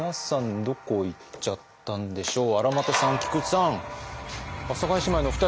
どこ行っちゃったんですか？